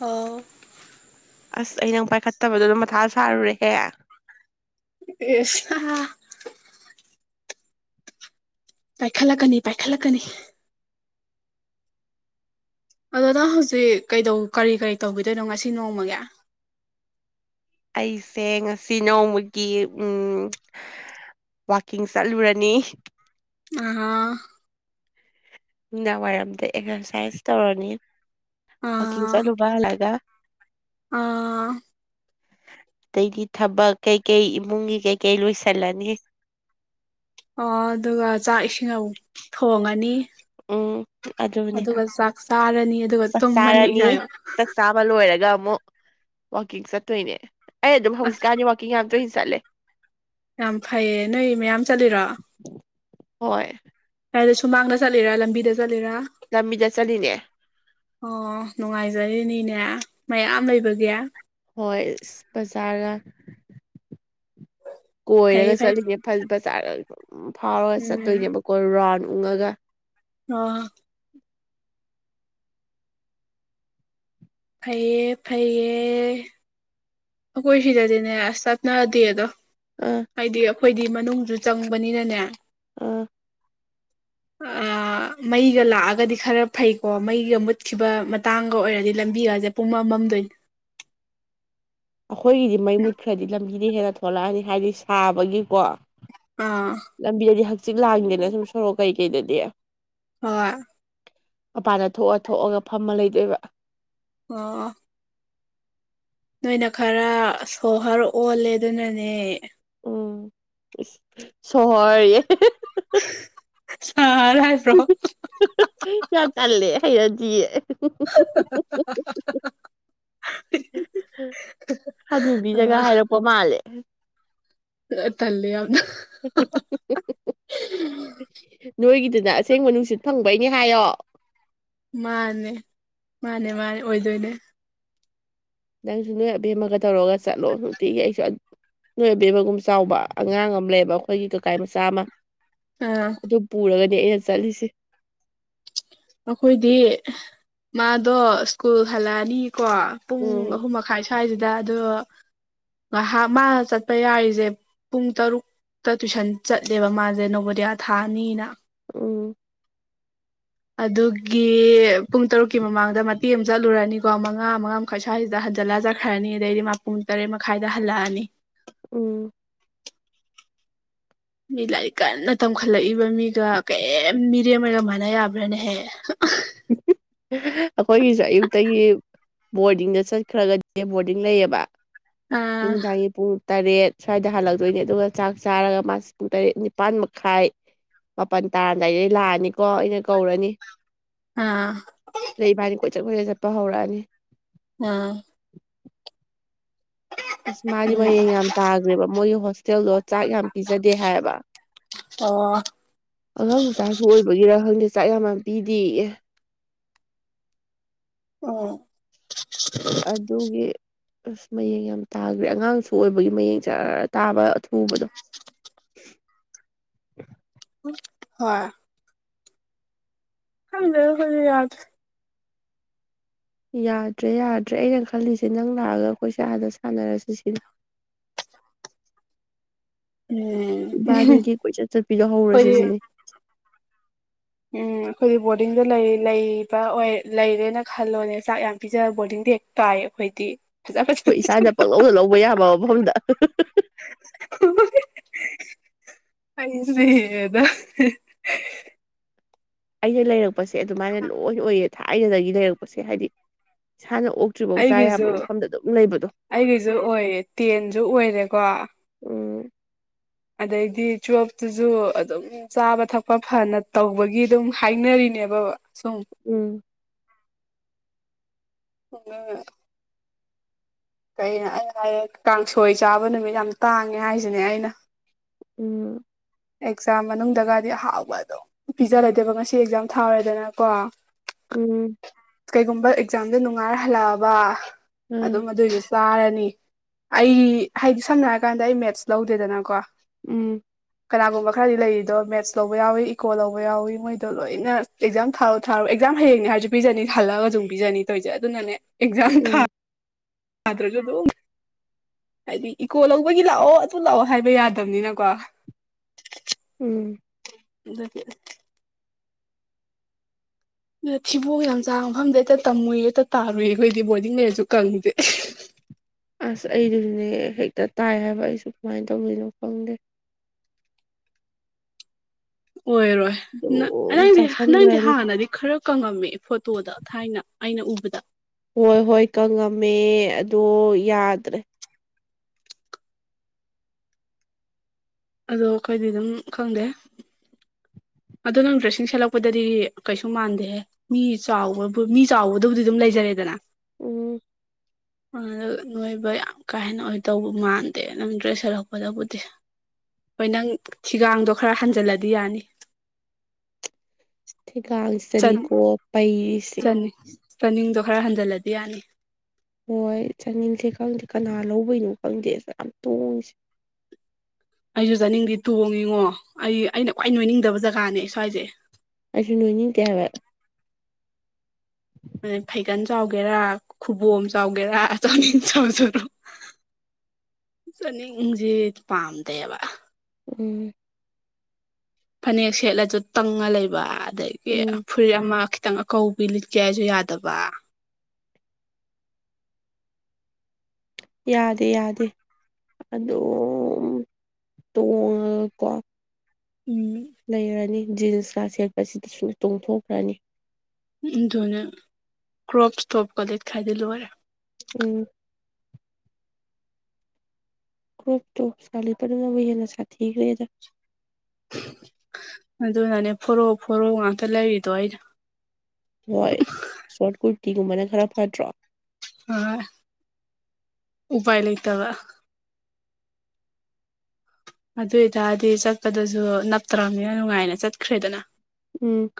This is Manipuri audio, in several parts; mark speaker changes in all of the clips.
Speaker 1: ꯑꯣ
Speaker 2: ꯑꯁ ꯑꯩ ꯅꯪ ꯄꯥꯏꯈꯠꯇꯕꯗꯣ ꯑꯗꯨꯝ ꯃꯊꯥ ꯁꯥꯔꯨꯔꯦꯍꯦ
Speaker 1: ꯑꯦꯁ ꯄꯥꯏꯈꯠꯂꯛꯀꯅꯤ ꯄꯥꯏꯈꯠꯂꯛꯀꯅꯤ ꯑꯗꯥ ꯍꯧꯖꯤꯛ ꯀꯩꯗꯧ ꯀꯔꯤ ꯀꯔꯤ ꯇꯧꯈꯤꯗꯣꯏꯅꯣ ꯉꯁꯤ ꯅꯣꯡꯃꯒꯤ
Speaker 2: ꯑꯩꯁꯦ ꯉꯁꯤ ꯅꯣꯡꯃꯒꯤ ꯎꯝ ꯋꯥꯀꯤꯡ ꯆꯠꯂꯨꯔꯅꯤ
Speaker 1: ꯑ
Speaker 2: ꯅꯨꯡꯗꯥꯡ ꯋꯥꯏꯔꯝꯗ ꯑꯦꯛꯁꯔꯁꯥꯏꯁ ꯇꯧꯔꯅꯤ ꯋꯥꯛꯀꯤꯡ
Speaker 1: ꯑꯥ
Speaker 2: ꯆꯠꯂꯨꯕ ꯍꯜꯂꯒ
Speaker 1: ꯑꯥ
Speaker 2: ꯗꯩꯗꯤ ꯊꯕꯛ ꯀꯩꯀꯩ ꯏꯃꯨꯡꯒꯤ ꯀꯩꯀꯩ ꯂꯣꯏꯁꯤꯜꯂꯅꯤ
Speaker 1: ꯑꯣ ꯑꯗꯨꯒ ꯆꯥꯛ ꯏꯁꯤꯡ ꯑꯃꯨꯛ ꯊꯣꯡꯉꯅꯤ
Speaker 2: ꯎꯝ ꯑꯗꯨꯅꯦ
Speaker 1: ꯑꯗꯨꯒ ꯆꯥꯛ ꯆꯥꯔꯅꯤ ꯑꯗꯨꯒ
Speaker 2: ꯆꯥꯛ
Speaker 1: ꯇꯨꯝꯃꯅꯤ
Speaker 2: ꯆꯥꯔꯅꯤ
Speaker 1: ꯀꯥꯏꯅꯣ
Speaker 2: ꯆꯥꯛ ꯆꯥꯕ ꯂꯣꯏꯔꯒ ꯑꯃꯨꯛ ꯋꯥꯀꯤꯡ ꯆꯠꯇꯣꯏꯅꯦ ꯑꯩ ꯑꯗꯨꯝ
Speaker 1: ꯑꯁ
Speaker 2: ꯍꯧꯖꯤꯛꯀꯥꯟ ꯌꯥꯝ ꯇꯣꯏ ꯆꯠꯂꯦ
Speaker 1: ꯌꯥꯝ ꯐꯩꯌꯦ ꯅꯣꯏ ꯃꯌꯥꯝ ꯆꯠꯂꯤꯔꯣ
Speaker 2: ꯍꯣꯏ
Speaker 1: ꯀꯗ ꯁꯨꯃꯥꯡꯗ ꯆꯠꯂꯤꯔꯥ ꯂꯝꯕꯤꯗ ꯆꯠꯂꯤꯔꯥ
Speaker 2: ꯂꯝꯕꯤꯗ ꯆꯠꯂꯤꯅꯦ
Speaker 1: ꯑꯣ ꯅꯨꯡꯉꯥꯏꯖꯔꯤꯅꯤꯅꯦ ꯃꯌꯥꯝ ꯂꯩꯕꯒꯤ
Speaker 2: ꯍꯣꯏ ꯕꯖꯥꯔꯒ
Speaker 1: ꯐꯩꯌꯦ
Speaker 2: ꯀꯣꯏꯔꯒ
Speaker 1: ꯐꯩ
Speaker 2: ꯆꯠꯂꯤꯅꯦ ꯐꯖ ꯕꯖꯥꯔ ꯐꯥꯎꯔꯒ
Speaker 1: ꯎꯝ
Speaker 2: ꯆꯠꯇꯣꯏꯅꯦꯕꯀꯣ ꯔꯥꯎꯟ ꯎꯡꯉꯒ
Speaker 1: ꯑ ꯐꯩꯌꯦ ꯐꯩꯌꯦ ꯑꯩꯈꯣꯏ ꯁꯤꯗꯗꯤꯅꯦ ꯑꯁ ꯆꯠꯅꯗꯦ ꯑꯗꯣ
Speaker 2: ꯑꯥ
Speaker 1: ꯍꯥꯏꯗꯤ ꯑꯩꯈꯣꯏꯗꯤ ꯃꯅꯨꯡꯁꯨ ꯆꯪꯕꯅꯤꯅꯅꯦ
Speaker 2: ꯎꯥ
Speaker 1: ꯑ ꯃꯩꯒ ꯂꯥꯛꯑꯒꯗꯤ ꯈꯔ ꯐꯩꯀꯣ ꯃꯩꯒ ꯃꯨꯠꯈꯤꯕ ꯃꯇꯥꯡꯒ ꯑꯣꯏꯔꯗꯤ ꯂꯝꯕꯤꯒꯁꯦ ꯄꯨꯡꯃꯝꯃꯝꯗꯣꯏꯅꯤ
Speaker 2: ꯑꯩꯈꯣꯏꯒꯤꯗꯤ ꯃꯩ ꯃꯨꯠꯈ꯭ꯔꯗꯤ ꯂꯝꯕꯤꯗ ꯍꯦꯟꯅ ꯊꯣꯛꯂꯛꯑꯅꯤ ꯍꯥꯏꯕꯗꯤ ꯁꯥꯕꯒꯤꯀꯣ
Speaker 1: ꯑꯥ
Speaker 2: ꯂꯝꯕꯤꯗꯗꯤ ꯍꯛꯆꯤ ꯂꯥꯡꯗꯦꯅ ꯁꯨꯝ ꯁꯣꯔꯣꯛ ꯀꯩꯀꯩꯗꯗꯤ
Speaker 1: ꯍꯣꯏ
Speaker 2: ꯃꯄꯥꯟꯗ ꯊꯣꯛꯑ ꯊꯣꯛꯑꯒ ꯐꯝꯃ ꯂꯩꯗꯣꯏꯕ
Speaker 1: ꯑꯣ ꯅꯣꯏꯅ ꯈꯔ ꯁꯣꯍꯔ ꯑꯣꯜꯂꯦ ꯑꯗꯨꯅꯅꯦ
Speaker 2: ꯎꯝ ꯁꯍꯔꯌꯦ
Speaker 1: ꯑꯥ ꯂꯥꯏꯕ꯭ꯔꯣ
Speaker 2: ꯆ ꯆꯂꯦ ꯍꯥꯏꯖꯤ ꯑꯅꯕꯤ ꯖꯒ ꯍꯥꯏꯔꯛꯄ ꯃꯥꯜꯂꯦ
Speaker 1: ꯇꯜꯂꯤꯂꯤꯌꯥꯅ
Speaker 2: ꯅꯣꯏꯒꯤꯗꯨꯅ ꯑꯁꯦꯡ ꯃꯅꯨꯡ ꯅꯨꯡꯁꯤꯠ ꯐꯪꯕꯩꯅꯦ ꯍꯥꯏꯌꯣ
Speaker 1: ꯃꯥꯅꯦ ꯃꯥꯅꯦ ꯃꯥꯅꯦ ꯑꯣꯏꯗꯣꯏꯅꯦ
Speaker 2: ꯅꯪꯁꯨ ꯅꯣꯏ ꯑꯕꯦꯝꯃꯒ ꯇꯧꯔꯒ ꯆꯠꯂꯣ ꯅꯨꯡꯇꯤꯒꯤ ꯑꯩꯁꯨ ꯅꯣꯏꯕꯤꯕꯒꯨꯝ ꯆꯥꯎꯕ ꯑꯉꯥꯡ ꯑꯃ ꯂꯩꯌꯦꯕ ꯑꯩꯈꯣꯏꯒꯤ ꯀꯀꯥ ꯃꯆꯥ ꯑꯃ
Speaker 1: ꯑꯥ
Speaker 2: ꯑꯗꯨ ꯄꯨꯔꯒꯗꯤ ꯑꯩꯅ ꯆꯠꯂꯤꯁꯦ
Speaker 1: ꯑꯩꯈꯣꯏꯗꯤ ꯃꯥꯗꯣ ꯁ꯭ꯀꯨꯜ ꯍꯜꯂꯛꯑꯅꯤꯀꯣ ꯄꯨꯡ
Speaker 2: ꯎꯝ
Speaker 1: ꯑꯍꯨꯝ ꯃꯈꯥꯏ ꯁ꯭ꯋꯥꯏꯁꯤꯗ ꯑꯗꯣ ꯉꯥꯏꯍꯥꯛ ꯃꯥꯅ ꯆꯠꯄ ꯌꯥꯔꯤꯁꯦ ꯄꯨꯡ ꯇꯔꯨꯛ ꯇꯨꯏꯁꯟ ꯆꯠꯂꯦꯕ ꯃꯥꯁꯦ ꯅꯧꯕꯣꯗꯤꯌꯥ ꯊꯥꯅꯤꯅ
Speaker 2: ꯎꯝ
Speaker 1: ꯑꯗꯨꯒꯤ ꯄꯨꯡ ꯇꯔꯨꯛꯀꯤ ꯃꯃꯥꯡꯗ ꯃꯇꯦꯛ ꯑꯃ ꯆꯠꯂꯨꯔꯅꯤꯀꯣ ꯃꯉꯥ ꯃꯉꯥ ꯑꯩꯈꯣꯏ ꯁ꯭ꯋꯥꯁꯤꯗ ꯍꯟꯖꯤꯜꯂ ꯆꯠꯈ꯭ꯔꯅꯤ ꯑꯗꯩꯗꯤ ꯃꯄꯨꯡ ꯇꯔꯦꯠ ꯃꯈꯥꯏꯗ ꯍꯜꯂꯛꯑꯅꯤ
Speaker 2: ꯎꯝ
Speaker 1: ꯃꯤ ꯂꯥꯏꯔꯤꯛ ꯀꯟꯅ ꯇꯝꯈꯠꯂꯛꯏꯕ ꯃꯤꯒ ꯀꯔꯤꯝ ꯃꯤꯔꯦꯝꯃꯒ ꯃꯥꯟꯅ ꯌꯥꯕ꯭ꯔꯥꯅꯦꯍꯦ [unintelligible]
Speaker 2: [unintelligible] ꯑꯩꯈꯣꯏꯒꯤꯁꯨꯦ ꯑꯌꯨꯛꯇꯒꯤ ꯕꯣꯔꯗꯤꯡꯗ ꯆꯠꯈ꯭ꯔꯒꯗꯤ ꯕꯣꯔꯗꯤꯡ ꯂꯩꯌꯦꯕ ꯑꯗꯨ
Speaker 1: ꯑꯥ
Speaker 2: ꯌꯥꯏꯌꯦ ꯄ ꯇꯔꯦꯠ ꯁ꯭ꯋꯥꯏꯗ ꯍꯜꯂꯛꯇꯣꯏꯅꯦ ꯑꯗꯨꯒ ꯆꯥꯛ ꯆꯥꯔꯒ ꯃꯥꯁꯤꯦ ꯄꯨꯡ ꯇꯔꯦꯠ ꯅꯤꯄꯥꯜ ꯃꯈꯥꯏ ꯃꯥꯄꯜ ꯇꯥꯔꯗꯥꯏꯗꯩ ꯂꯥꯛꯑꯅꯤꯀꯣ ꯑꯩꯅ ꯀꯧꯔꯅꯤ
Speaker 1: ꯑꯥ
Speaker 2: ꯂꯩ ꯃꯥꯅꯤ ꯀꯣꯏꯆꯠ ꯀꯣꯏꯆꯠ ꯆꯠꯄ ꯍꯧꯔꯛꯑꯅꯤ
Speaker 1: ꯑꯝ
Speaker 2: ꯑꯁ ꯃꯥꯗꯤ
Speaker 1: ꯎꯝ
Speaker 2: ꯃꯌꯦꯡ ꯌꯥꯝ ꯇꯥꯈ꯭ꯔꯦꯕ ꯃꯣꯏꯒꯤ ꯍꯣꯁꯇꯦꯜꯗꯣ ꯆꯥꯛ ꯌꯥꯝ ꯄꯤꯖꯗꯦ ꯍꯥꯏꯕ
Speaker 1: ꯑꯣ
Speaker 2: ꯑꯉꯥꯡ ꯃꯆꯥꯁꯨ ꯑꯣꯏꯕꯒꯤꯔ ꯈꯪꯗꯦ ꯆꯥꯛ ꯌꯥꯝ ꯌꯥꯝ ꯄꯤꯗꯤ ꯑꯦ
Speaker 1: ꯑꯣ
Speaker 2: ꯑꯗꯨꯒꯤ ꯑꯁ ꯃꯌꯦꯡ ꯌꯥꯝ ꯇꯥꯈ꯭ꯔꯦ ꯑꯉꯥꯡꯁꯨ ꯑꯣꯏꯕꯒꯤ ꯃꯌꯦꯡ ꯆꯔ ꯇꯥꯕ ꯑꯊꯨꯕꯗꯣ
Speaker 1: ꯍ ꯍ ꯍꯧꯖꯤ ꯌꯥꯗ
Speaker 2: ꯌꯥꯗ꯭ꯔꯦ ꯌꯥꯗ꯭ꯔꯦ ꯑꯩꯅ ꯈꯜꯂꯤꯁꯦ ꯅꯪ ꯂꯥꯛꯑꯒ ꯑꯩꯈꯣꯏꯁꯦ ꯑꯥꯗ ꯁꯥꯟꯅꯔꯁꯤ ꯁꯤꯅꯤ
Speaker 1: ꯎꯝ ꯑꯩꯈꯣꯏꯗꯤ
Speaker 2: ꯏꯕꯥꯅꯤꯒꯤ ꯀꯣꯏꯆꯠ ꯆꯠꯄꯤꯗꯣ ꯍꯧꯔꯁꯦ ꯁꯤꯅꯤ
Speaker 1: ꯎꯝ ꯑꯩꯈꯣꯏꯗꯤ ꯕꯣꯔꯗꯤꯡꯗ ꯂꯩ ꯂꯩꯕ ꯑꯣꯏ ꯂꯩꯔꯦꯅ ꯈꯜꯂꯣꯅꯦ ꯆꯥꯛ ꯌꯥꯝ ꯄꯤꯖꯕ ꯕꯣꯔꯗꯤꯡꯗꯤ ꯍ ꯇꯥꯏ ꯑꯩꯈꯣꯏꯗꯤ ꯐꯖ ꯐꯖ
Speaker 2: ꯍꯣꯏ ꯏꯁꯥꯅ ꯄꯪꯅꯧꯅ ꯂꯧꯕ ꯌꯥꯕ ꯃꯐꯝꯗ
Speaker 1: ꯑꯩꯁꯗ
Speaker 2: ꯑꯩꯅ ꯂꯩꯔꯛꯄꯁꯦ ꯑꯗꯨꯃꯥꯏꯅ ꯂꯣꯏ ꯑꯣꯏꯌꯦ ꯊꯥꯏꯅꯗꯒꯤ ꯂꯩꯔꯛꯄꯁꯦ ꯍꯥꯏꯗꯤ ꯏꯁꯥꯅ ꯑꯣꯛ
Speaker 1: ꯑꯩꯒꯤꯁꯨ ꯑꯩꯒꯤꯁꯨ ꯑꯣꯏꯌꯦ ꯇꯦꯟꯁꯨ ꯑꯣꯏꯔꯦꯀꯣ
Speaker 2: ꯎꯝ
Speaker 1: ꯑꯗꯩꯗꯤ ꯆꯣꯞꯇꯨꯁꯨ ꯑꯗꯨꯝ ꯆꯥꯕ ꯊꯛꯄ ꯐꯅ ꯇꯧꯕꯒꯤ ꯑꯗꯨꯝ ꯍꯥꯏꯅꯔꯤꯅꯦꯕꯕ ꯁꯣ ꯎ
Speaker 2: ꯎꯝ
Speaker 1: ꯀꯩꯅꯣ ꯑꯩ ꯍꯥꯏꯌꯦ ꯀꯥꯡꯁꯣꯏ ꯆꯥꯕ ꯅꯨꯃꯤꯠ ꯌꯥꯝ ꯇꯥꯡꯉꯦ ꯍꯥꯏꯁꯤꯅꯦ ꯑꯩꯅ
Speaker 2: ꯎꯝ
Speaker 1: ꯑꯦꯛꯖꯥꯝ ꯃꯅꯨꯡꯗꯒꯗꯤ ꯑꯍꯥꯎꯕ ꯑꯗꯨꯝ ꯄꯤꯖꯂꯗꯦꯕ ꯉꯁꯤ ꯑꯦꯛꯖꯥꯝ ꯊꯥꯔꯦꯗꯅꯀꯣ
Speaker 2: ꯎꯝ
Speaker 1: ꯀꯩꯒꯨꯝꯕ ꯑꯦꯛꯖꯥꯝꯗ ꯅꯨꯡꯉꯥꯏꯔ ꯍꯜꯂꯛꯑꯕ
Speaker 2: ꯑ
Speaker 1: ꯑꯗꯨꯝ ꯑꯗꯨꯏꯗꯨꯁꯨ ꯆꯥꯔꯅꯤ ꯑꯩ ꯍꯥꯏꯗꯤ ꯁꯝꯅ ꯍꯥꯏꯔꯀꯥꯟꯗ ꯑꯩ ꯃꯦꯠꯁ ꯂꯧꯗꯦꯗꯅꯀꯣ
Speaker 2: ꯎꯝ
Speaker 1: ꯀꯅꯥꯒꯨꯝꯕ ꯈꯔꯗꯤ ꯂꯩꯔꯤꯗꯣ ꯃꯦꯠꯁ ꯂꯧꯕ ꯌꯥꯎꯏꯤ ꯏꯀꯣ ꯂꯧꯕ ꯌꯥꯎꯏꯤ ꯃꯣꯏꯗꯣ ꯂꯣꯏꯅ ꯑꯦꯛꯖꯥꯝ ꯊꯥꯔꯣ ꯊꯥꯔꯣ ꯑꯦꯛꯖꯥꯝ ꯍꯌꯦꯡꯅꯦ ꯍꯥꯏꯔꯁꯨ ꯄꯤꯖꯅꯤ ꯈꯜꯂꯒ ꯁꯝ ꯄꯤꯖꯅꯤ ꯇꯧꯔꯤꯁꯦ ꯑꯗꯨꯅꯅꯦ ꯑꯦꯛꯖꯥꯝ ꯊꯥ
Speaker 2: ꯎꯝ
Speaker 1: ꯑ꯭ꯔꯒꯣ ꯍꯥꯏꯗꯤ ꯏꯀꯣ ꯂꯧꯕꯒꯤ ꯂꯥꯛꯑꯣ ꯑꯗꯨ ꯂꯥꯛꯑꯣ ꯍꯥꯏꯕ ꯌꯥꯗꯕꯅꯤꯅꯀꯣ
Speaker 2: ꯎꯝ
Speaker 1: ꯑꯗꯨꯒꯤ ꯊꯤꯕꯣꯡ ꯌꯥꯝ ꯆꯥꯕ ꯃꯐꯝꯗ ꯍꯦꯛꯇ ꯇꯝꯃꯨꯏ ꯍꯦꯛꯇ ꯇꯥꯔꯨꯏ ꯑꯩꯈꯣꯏꯗꯤ ꯕꯣꯔꯗꯤꯡ ꯂꯩꯔꯁꯨ ꯀꯪꯉꯗꯦ
Speaker 2: ꯑꯁ ꯑꯩꯗꯨꯁꯨꯅꯦ ꯍꯦꯛꯇ ꯇꯥꯏ ꯍꯥꯏꯕ ꯑꯩꯁꯨ ꯀꯃꯥꯏꯅ ꯇꯧꯗꯣꯏꯅꯣ ꯈꯪꯗꯦ
Speaker 1: ꯑꯣꯏꯔꯣꯏ ꯅ
Speaker 2: ꯑꯗꯨꯝ
Speaker 1: ꯅꯪꯗꯤ ꯅꯪꯗꯤ
Speaker 2: ꯆꯥꯁꯟꯈ꯭ꯔꯅꯤ
Speaker 1: ꯍꯥꯟꯅꯗꯤ ꯈꯔ ꯀꯪꯉꯝꯃꯦ ꯐꯣꯇꯣꯗ ꯊꯥꯏꯅ ꯑꯩꯅ ꯎꯕꯗ
Speaker 2: ꯍꯣꯏ ꯍꯣꯏ ꯀꯪꯉꯝꯃꯦ ꯑꯗꯣ ꯌꯥꯗ꯭ꯔꯦ
Speaker 1: ꯑꯗꯣ ꯑꯩꯈꯣꯏꯗꯤ ꯑꯗꯨꯝ ꯈꯪꯗꯦ ꯑꯗꯨꯣ ꯅꯪ ꯗ꯭ꯔꯦꯁꯤꯡ ꯁꯦꯠꯂꯛꯄꯗꯗꯤ ꯀꯩꯁꯨ ꯃꯥꯟꯗꯦꯍꯦ ꯃꯤ ꯆꯥꯎꯕꯕꯨ ꯃꯤ ꯆꯥꯎꯕꯗꯕꯨꯗꯤ ꯑꯗꯨꯝ ꯂꯩꯖꯔꯦꯗꯅ
Speaker 2: ꯎꯝ
Speaker 1: ꯅꯣꯏꯕ ꯌꯥꯝ ꯀꯥ ꯍꯦꯟꯅ ꯑꯣꯏꯗꯧꯕ ꯃꯥꯟꯗꯦ ꯅꯪ ꯗ꯭ꯔꯦꯁ ꯁꯦꯠꯂꯛꯄꯗꯕꯨꯗꯤ ꯍꯣꯏ ꯅꯪ ꯊꯤꯒꯥꯡꯗꯣ ꯈꯔ ꯍꯟꯖꯤꯜꯂꯗꯤ ꯌꯥꯅꯤ
Speaker 2: ꯊꯀꯥꯁ
Speaker 1: ꯆꯟꯅꯤꯡ ꯆꯅꯤꯡꯗꯣ ꯈꯔ ꯍꯟꯖꯤꯜꯂꯗꯤ ꯌꯥꯅꯤ
Speaker 2: ꯍꯣꯏ ꯆꯥꯅꯤꯡꯁꯦ ꯈꯪꯗꯦ ꯀꯅꯥ ꯂꯧꯕꯅꯣ ꯈꯪꯗꯦ ꯑꯁ ꯌꯥꯝ ꯇꯣꯡꯉꯁꯦ
Speaker 1: ꯑꯩꯁꯨ ꯆꯥꯅꯤꯡꯗꯦ ꯇꯣꯡꯉꯤꯉꯣ ꯑꯩ ꯑꯩꯅ ꯈ꯭ꯋꯥꯏ ꯅꯣꯏꯅꯤꯡꯗꯕ ꯖꯒꯥꯅꯦ ꯁ꯭ꯋꯥꯏꯁꯦ
Speaker 2: ꯑꯩꯁꯨ ꯅꯣꯏꯅꯤꯡꯗꯦ ꯍꯥꯏꯕ
Speaker 1: ꯑꯩ ꯐꯩꯒꯟ ꯆꯥꯎꯒꯦꯔꯥ ꯈꯨꯕꯣꯝ ꯆꯥꯎꯒꯦꯔꯥꯆꯅꯤ ꯆꯥꯎꯖꯔꯣ ꯆꯅꯤꯡ ꯁꯦ ꯄꯥꯝꯗꯦꯕ
Speaker 2: ꯎꯝ
Speaker 1: ꯐꯅꯦꯛ ꯁꯦꯠꯂꯁꯨ ꯇꯪꯉ ꯂꯩꯕ ꯑꯗꯒꯤ
Speaker 2: ꯎꯝ
Speaker 1: ꯐꯨꯔꯤꯠ ꯑꯃ ꯈꯤꯇꯪ ꯑ ꯀꯧꯕꯧꯕꯤ ꯂꯤꯠꯀꯦ ꯍꯥꯏꯁꯨ ꯌꯥꯗꯕ
Speaker 2: ꯌꯥꯗꯦ ꯌꯥꯗꯦ ꯑꯗꯨꯣ ꯇꯣꯡꯉꯀꯣ
Speaker 1: ꯎꯝ
Speaker 2: ꯂꯩꯔꯅꯤ ꯖꯤꯟꯁꯀ ꯁꯦꯠꯄꯁꯤꯗ ꯁꯨꯝ ꯇꯣꯡꯊꯣꯛꯈ꯭ꯔꯅꯤ
Speaker 1: ꯑꯗꯨ ꯑꯗꯨꯅ ꯀ꯭ꯔꯣꯞ ꯏꯁꯇ꯭ꯔꯣꯞ ꯀꯣꯂꯦꯠ ꯈꯥꯏꯗꯤ ꯂꯣꯏꯔꯦ
Speaker 2: ꯎꯝ ꯀ꯭ꯔꯣꯞ ꯇꯣꯞꯞꯄꯗꯝꯅꯕꯨ ꯍꯦꯟꯅ ꯁꯥꯊꯤꯈ꯭ꯔꯦꯗ
Speaker 1: ꯑꯗꯨꯅꯅꯦ ꯐꯣꯔꯣꯛ ꯐꯣꯔꯣꯛ ꯉꯥꯛꯇ ꯂꯩꯔꯤꯗꯣ ꯑꯩꯅ
Speaker 2: ꯍꯣꯏ ꯁꯣꯔꯠ ꯀꯨꯔꯇꯤꯒꯨꯝꯕꯅ ꯈꯔ ꯐꯠꯇ꯭ꯔꯣ
Speaker 1: ꯍꯣꯏ ꯎꯄꯥꯏ ꯂꯩꯇꯕ ꯑꯗꯨ ꯑꯣꯏꯇꯥꯔꯗꯤ ꯆꯠꯄꯗꯁꯨ ꯅꯞꯇ꯭ꯔꯕꯅꯤꯅ ꯅꯨꯡꯉꯥꯏꯅ ꯆꯠꯈ꯭ꯔꯦꯗꯅ
Speaker 2: ꯎꯝ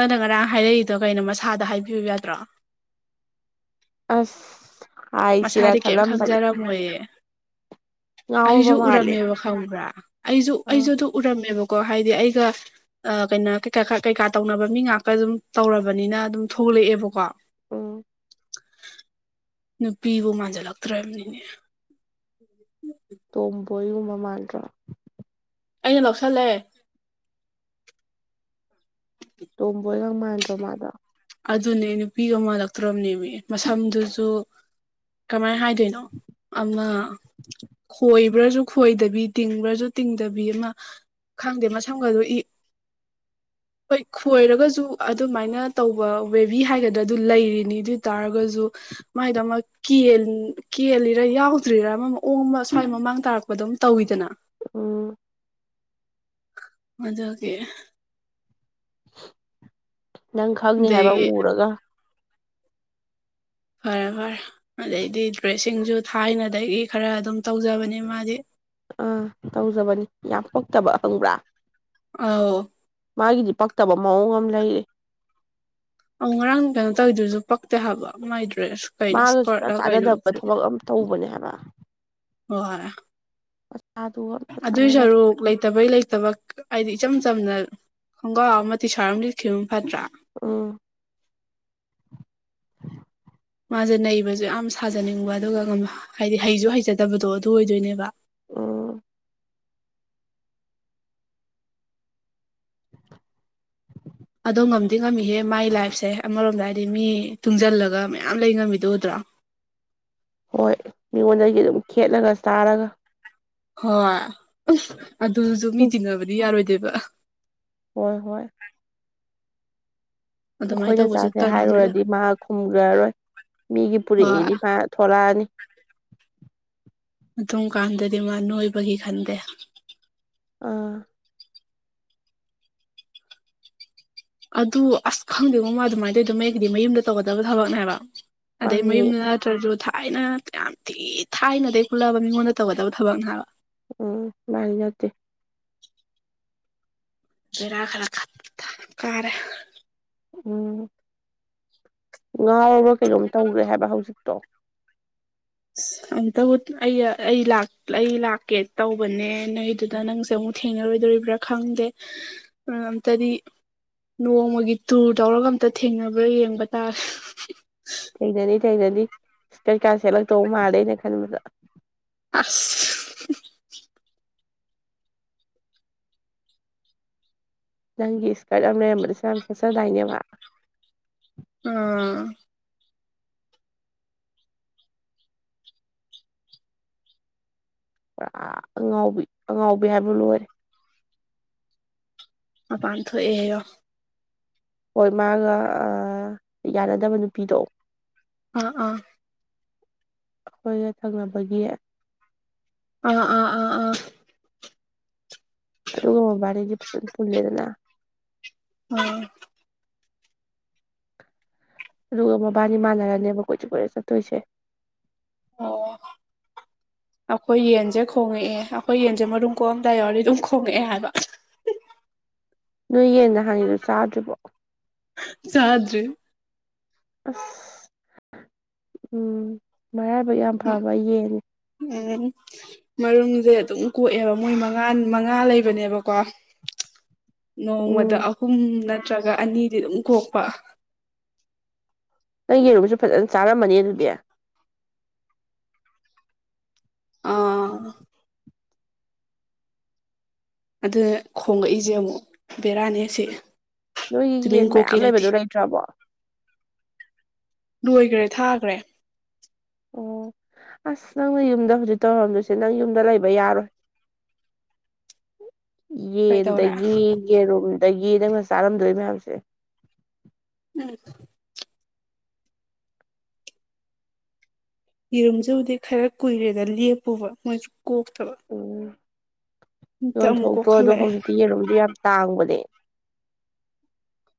Speaker 1: ꯅꯪꯗ ꯉꯔꯥꯡ ꯍꯥꯏꯔꯛꯏꯗꯣ ꯀꯩꯅꯣ ꯃꯁꯥꯗ ꯍꯥꯏꯕꯤꯌꯨ ꯌꯥꯗ꯭ꯔꯣ
Speaker 2: ꯑꯁ ꯍꯥꯏꯁꯤꯔꯥ
Speaker 1: ꯃꯁꯥꯗꯤ ꯀꯩꯝ
Speaker 2: ꯈꯜꯂꯝꯕꯅꯤ
Speaker 1: ꯈꯪꯖꯔꯝꯃꯣꯏꯌꯦ
Speaker 2: ꯉꯥꯎꯔꯕ
Speaker 1: ꯑꯩꯁꯨ
Speaker 2: ꯃꯥꯜꯂꯦ
Speaker 1: ꯎꯔꯝꯃꯦꯕ ꯈꯪꯕ꯭ꯔꯥ ꯑꯩꯁꯨ
Speaker 2: ꯑꯥ
Speaker 1: ꯑꯩꯁꯨ ꯑꯗꯨ ꯎꯔꯝꯃꯦꯕꯀꯣ ꯍꯥꯏꯗꯤ ꯑꯩꯒ ꯑ ꯀꯩꯅꯣ ꯀꯩꯀꯥ ꯇꯧꯅꯕ ꯃꯤ ꯉꯥꯛꯀ ꯑꯗꯨꯝ ꯇꯧꯔꯕꯅꯤꯅ ꯑꯗꯨꯝ ꯊꯣꯛꯂꯛꯑꯦꯕꯀꯣ
Speaker 2: ꯎꯝ
Speaker 1: ꯅꯨꯄꯤꯕꯨ ꯃꯥꯟꯁꯤꯜꯂꯛꯇ꯭ꯔꯕꯅꯤꯅꯦ
Speaker 2: ꯇꯣꯝꯕꯣ ꯌꯨꯝꯕ ꯃꯥꯥꯟꯗ꯭ꯔꯣ
Speaker 1: ꯑꯩꯅ ꯂꯧꯁꯜꯂꯑꯦ
Speaker 2: ꯇꯣꯝꯕꯣꯏꯒꯪ ꯃꯥꯟꯗ꯭ꯔꯣ ꯃꯥꯗꯣ
Speaker 1: ꯑꯗꯨꯅꯦ ꯅꯨꯄꯤꯒ ꯃꯥꯜꯂꯛꯇ꯭ꯔꯕꯅꯦꯕ ꯃꯁꯝꯗꯨꯁꯨ ꯀꯃꯥꯏ ꯍꯥꯏ ꯀꯩꯅꯣ ꯑꯃ ꯈꯣꯏꯕ꯭ꯔꯥꯁꯨ ꯈꯣꯏꯗꯕꯤ ꯇꯤꯡꯕ꯭ꯔꯁꯨ ꯇꯤꯡꯗꯕꯤ ꯑꯃ ꯈꯪꯗꯦ ꯃꯁꯝꯒꯁꯨ ꯏ ꯑꯩꯈꯣꯏ ꯈꯣꯏꯔꯒꯁꯨ ꯑꯗꯨꯃꯥꯏꯅ ꯇꯧꯕ ꯋꯦꯕꯤ ꯍꯥꯏꯒꯗ꯭ꯔꯥ ꯑꯗꯨ ꯂꯩꯔꯤꯅꯤ ꯑꯗꯨ ꯑꯣꯏ ꯇꯔꯒꯁꯨ ꯃꯥꯏꯗꯣ ꯑꯃ ꯀꯦꯜꯂꯤꯔꯥ ꯌꯥꯎꯗ꯭ꯔꯤꯔꯥ ꯑꯃ ꯑꯃ ꯑꯣꯡ ꯑꯃ ꯁ꯭ꯋꯥꯏ ꯃꯃꯥꯡ ꯇꯥꯔꯛꯄꯗ ꯑꯗꯨꯝ ꯇꯧꯋꯤꯗꯅ
Speaker 2: ꯑꯣ
Speaker 1: ꯃꯗꯦ
Speaker 2: ꯅꯪ ꯈꯪꯅꯤ ꯍꯥꯏꯕ
Speaker 1: ꯑꯗꯒꯤ
Speaker 2: ꯎꯔꯒ
Speaker 1: ꯐꯔꯦ ꯐꯔꯦ ꯑꯗꯩꯗꯤ ꯗ꯭ꯔꯦꯁꯁꯤꯡꯁꯨ ꯊꯥꯏꯅꯗꯒꯤ ꯈꯔ ꯑꯗꯨꯝ ꯇꯧꯖꯕꯅꯤ ꯃꯥꯗꯤ
Speaker 2: ꯑꯥ ꯇꯧꯖꯕꯅꯤ ꯌꯥꯝ ꯄꯛꯇꯕ ꯍꯪꯕ꯭ꯔꯥ
Speaker 1: ꯑ
Speaker 2: ꯃꯥꯒꯤꯗꯤ ꯄꯛꯇꯕ ꯃꯑꯣꯡ ꯑꯃ ꯂꯩꯔ
Speaker 1: ꯑꯧ ꯉꯔꯥꯡ ꯀꯩꯅꯣ ꯇꯧꯗꯣꯏꯁꯨ ꯄꯛꯇꯦ ꯍꯥꯏꯕ ꯃꯥꯏ ꯗ꯭ꯔꯦꯁ ꯀꯩꯅꯅꯣ
Speaker 2: ꯃꯥꯒ ꯁꯨꯡꯆꯥ
Speaker 1: ꯁꯀꯔꯂ ꯀꯅ
Speaker 2: ꯆꯥꯟꯅꯗꯕ ꯊꯕꯛ ꯑꯃ ꯇꯧꯕꯅꯦ ꯍꯥꯏꯕ
Speaker 1: ꯋꯥ
Speaker 2: ꯃꯆꯥꯗꯨꯒ ꯑꯝꯇ
Speaker 1: ꯑꯗꯨꯏ
Speaker 2: ꯆꯥꯟꯅꯗꯕ
Speaker 1: ꯁꯔꯨꯛ ꯂꯩꯇꯕꯩ ꯂꯩꯇꯕ ꯍꯥꯏꯗꯤ ꯏꯆꯝ ꯆꯝꯅ ꯈꯣꯡꯒ꯭ꯔꯥꯎ ꯑꯃꯗꯤ ꯇꯤꯁꯥꯔꯠ ꯑꯃꯝ ꯂꯤꯠꯈꯤꯕꯅ ꯐꯠꯇ꯭ꯔꯥ
Speaker 2: ꯑꯥ
Speaker 1: ꯃꯥꯁꯦ ꯅꯩꯕꯁꯨ ꯌꯥꯝ ꯁꯥꯖꯅꯤꯡꯕ ꯑꯗꯨꯒ ꯍꯥꯏꯗꯤ ꯍꯩꯁꯨ ꯍꯩꯖꯗꯕꯗꯣ ꯑꯗꯨ ꯑꯣꯏꯗꯣꯏꯅꯦꯕ
Speaker 2: ꯑꯥ
Speaker 1: ꯑꯗꯣ ꯉꯝꯗꯤ ꯉꯝꯃꯤꯍꯦ ꯃꯥꯏ ꯂꯥꯏꯐꯁꯦ ꯑꯃꯔꯣꯝꯗ ꯍꯥꯏꯗꯤ ꯃꯤ ꯇꯨꯡꯁꯤꯜꯂꯒ ꯃꯌꯥꯝ ꯂꯩ ꯉꯝꯃꯤꯗ ꯎꯗ꯭ꯔꯣ
Speaker 2: ꯍꯣꯏ ꯃꯤꯉꯣꯟꯗꯒꯤ ꯑꯗꯨꯝ ꯈꯦꯠꯂꯒ ꯆꯥꯔꯒ
Speaker 1: ꯍꯣꯏ ꯑꯗꯨꯁꯨ ꯃꯤ
Speaker 2: ꯎꯝ
Speaker 1: ꯇꯤꯟꯅꯕꯗꯤ ꯌꯥꯔꯣꯏꯗꯣꯏꯕ
Speaker 2: ꯍꯣꯏ ꯍꯣꯏ
Speaker 1: ꯑꯗꯨꯃꯥꯏꯅ
Speaker 2: ꯑꯩꯈꯣꯏꯅ
Speaker 1: ꯇꯧꯕꯁꯨ
Speaker 2: ꯆꯥꯁꯦ
Speaker 1: ꯇꯜꯂꯤꯗ
Speaker 2: ꯍꯥꯏꯔꯨꯔꯗꯤ ꯃꯥ ꯈꯨꯝꯈ꯭ꯔꯔꯣꯏ ꯃꯤꯒꯤ
Speaker 1: ꯍꯣꯏ
Speaker 2: ꯄꯨꯔꯛꯏꯗꯤ ꯃꯥ ꯊꯣꯛꯣꯂꯛꯑꯅꯤ
Speaker 1: ꯑꯗꯨ ꯀꯥꯟꯗꯗꯤ ꯃꯥ ꯅꯣꯏꯕꯒꯤ ꯈꯟꯗꯦ
Speaker 2: ꯑꯥ
Speaker 1: ꯑꯗꯨ ꯑꯁ ꯈꯪꯗꯦ ꯃꯃ ꯑꯗꯨꯃꯥꯏꯅ ꯇꯧꯋꯗ ꯃ ꯑꯩꯒꯤꯗꯤ ꯃꯌꯨꯝꯗ ꯇꯧꯒꯗꯕ ꯊꯕꯛꯅꯦꯕ ꯑꯗꯩ
Speaker 2: ꯃꯥꯅꯤ
Speaker 1: ꯃꯌꯨꯝꯗ ꯅꯠꯇ꯭ꯔꯁꯨ ꯊꯥꯏꯅ ꯌꯥꯝ ꯊꯤ ꯊꯥꯏꯅꯗꯒꯤ ꯈꯨꯜꯂꯛꯑꯕ ꯃꯤꯉꯣꯟꯗ ꯇꯧꯒꯗꯕ ꯊꯕꯛꯅꯦ ꯍꯥꯏꯕ
Speaker 2: ꯎꯝ ꯂꯔ ꯅꯗꯤꯦ
Speaker 1: ꯔꯥ ꯈꯔ ꯈ ꯀꯔꯦ
Speaker 2: ꯎꯝ ꯉꯥꯎꯔꯒ ꯀꯩꯅꯣꯝ ꯇꯧꯈ꯭ꯔꯦ ꯍꯥꯏꯕ ꯍꯧꯖꯤꯛꯇꯣ
Speaker 1: ꯑ ꯑꯨꯇ ꯑꯩ ꯑꯩ ꯂꯥꯛꯀꯦ ꯇꯧꯕꯅꯦ ꯅꯣꯏꯗꯨꯗ ꯅꯪꯁꯦ ꯑꯃꯨꯛ ꯊꯤ ꯊꯦꯡꯅꯔꯣꯏꯗꯣꯔꯤꯕ꯭ꯔꯥ ꯈꯪꯗꯦ ꯑꯝꯇꯗꯤ ꯅꯣꯡꯃꯒꯤ ꯇꯨꯔ ꯇꯧꯔꯒ ꯑꯝꯇ ꯊꯦꯡꯅꯕ꯭ꯔꯥ ꯌꯦꯡꯕ ꯇꯥꯔꯦ
Speaker 2: ꯊꯦꯡꯅꯅꯤ ꯊꯦꯡꯅꯅꯤ ꯀꯩꯀꯥ ꯁꯦꯠꯂꯛꯇꯧ ꯃꯥꯜꯂꯦ ꯑꯩꯅ ꯈꯟꯕꯗ
Speaker 1: ꯑꯁ
Speaker 2: ꯅꯪꯒꯤ ꯏꯁꯀꯔꯠ ꯑꯃ ꯂꯩꯔꯝꯕꯗꯁꯨ ꯌꯥꯝ ꯁꯦꯠꯆꯗꯥꯏꯅꯦꯕ
Speaker 1: ꯎꯝ
Speaker 2: ꯄꯨꯔꯥ ꯑꯉꯥꯎꯕꯤ ꯑꯉꯥꯎꯕꯤ ꯍꯥꯏꯕ ꯂꯣꯏꯔꯦ
Speaker 1: ꯃꯄꯝ ꯊꯣꯛꯑꯦ
Speaker 2: ꯍꯣꯏ ꯃꯥꯒ ꯌꯥꯅꯗꯕ ꯅꯨꯄꯤꯗꯣ
Speaker 1: ꯑꯥ ꯑꯥ
Speaker 2: ꯑꯩꯈꯣꯏꯒ ꯊꯪꯅꯕꯒꯤ
Speaker 1: ꯑꯣ ꯑ ꯑ ꯑ
Speaker 2: ꯑꯗꯨꯒ ꯃꯕꯥꯔꯗꯤ ꯐꯖꯅ ꯄꯨꯜꯂꯦꯗꯅ [unintelligible]
Speaker 1: ꯎꯝ
Speaker 2: ꯑꯗꯨꯒ ꯃꯕꯥꯅꯤ ꯃꯥꯟꯅꯔꯅꯦꯕ ꯀꯣꯏꯆꯠ ꯀꯣꯏꯆꯠ ꯆꯠꯇꯣꯏꯁꯦ [inaudible]
Speaker 1: ꯑꯈꯣꯏ ꯌꯦꯟꯁꯦ ꯈꯣꯡꯉꯛꯑꯦ ꯑꯈꯣꯏ ꯌꯦꯟꯁꯦ ꯃꯔꯨꯝ ꯀꯣꯛꯑꯝꯗꯥꯏ ꯌꯥꯎꯔꯗꯤ ꯑꯗꯨꯝ ꯈꯣꯡꯉꯛꯑꯦ ꯍꯥꯏꯕ
Speaker 2: ꯅꯣꯏ ꯌꯦꯟ ꯅꯍꯥꯟꯒꯤꯗꯣ ꯆꯥꯗ꯭ꯔꯤꯕꯣ
Speaker 1: ꯆꯗ꯭ꯔꯤ
Speaker 2: ꯎꯝ ꯃꯔꯥꯏꯕꯛ ꯌꯥꯝ ꯐꯕ ꯌꯦꯟꯅꯤ
Speaker 1: ꯎꯝ ꯃꯔꯨꯝꯖꯦ ꯑꯗꯨꯝ ꯀꯣꯛꯑꯦꯕ ꯃꯣꯏ ꯃꯉꯥ ꯃꯉꯥ ꯂꯩꯕꯅꯦꯕꯀꯣ ꯅꯣꯡꯃꯗ
Speaker 2: ꯎꯝ
Speaker 1: ꯑꯍꯨꯝ ꯅꯠꯇ꯭ꯔꯒ ꯑꯅꯤꯗꯤ ꯑꯗꯨꯝ ꯀꯣꯛꯄ
Speaker 2: ꯅꯪ ꯌꯦꯔꯨꯝꯕꯁꯨ ꯐꯖꯅ ꯆꯥꯔꯝꯃꯅꯤ ꯑꯗꯨꯗꯤ
Speaker 1: ꯑꯥ ꯑꯗꯨ ꯈꯣꯡꯂꯛꯏꯖꯦ ꯑꯃꯨꯛ ꯕꯦꯔꯥꯅꯤ ꯑꯁꯤ
Speaker 2: ꯅꯣꯏꯒꯤ ꯌꯦꯟ ꯃꯌꯥꯝ ꯂꯩꯕꯗꯨ ꯂꯩꯇ꯭ꯔꯕꯣ
Speaker 1: ꯂꯣꯏꯒ꯭ꯔꯦ ꯊꯥꯒ꯭ꯔꯦ
Speaker 2: ꯑꯣ ꯑꯁ ꯅꯪꯅ ꯌꯨꯝꯗ ꯍꯧꯖꯤꯛ ꯇꯧꯔꯝꯗꯣꯏꯁꯦ ꯅꯪ ꯌꯨꯝꯗ ꯂꯩꯕ ꯌꯥꯔꯣꯏ [inaudible]
Speaker 1: ꯀꯩꯗꯧꯔꯦ
Speaker 2: ꯌꯦꯟꯗꯒꯤ ꯌꯦꯔꯨꯝꯗꯒꯤ ꯅꯪꯅ ꯆꯥꯔꯝꯗꯣꯏ ꯃꯌꯥꯝꯁꯦ
Speaker 1: ꯎꯝ ꯌꯦꯔꯨꯝꯁꯤꯕꯨꯗꯤ ꯈꯔ ꯀꯨꯏꯔꯦꯗ ꯂꯦꯞꯄꯨꯕ ꯃꯣꯏꯁꯨ ꯀꯣꯛꯇꯕ
Speaker 2: ꯎꯝ
Speaker 1: ꯑꯝꯇ ꯑꯃꯨꯛ
Speaker 2: ꯌꯣꯟꯊꯣꯛꯇ꯭ꯔꯣ ꯑꯗꯣ
Speaker 1: ꯀꯣꯛꯍꯜꯂꯛꯑꯦ
Speaker 2: ꯍꯧꯖꯤꯛꯇꯤ ꯌꯦꯔꯨꯝꯖꯨ ꯌꯥꯝ ꯇꯥꯡꯕꯅꯦ